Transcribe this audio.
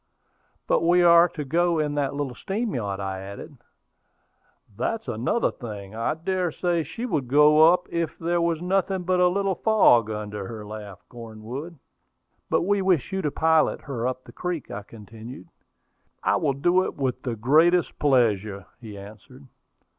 "But we are to go in that little steam yacht," I added. "That's another thing; I dare say she would go up if there was nothing but a little fog under her," laughed Cornwood. "But we wish you to pilot her up the creek," I continued. "I will do it with the greatest pleasure," he answered.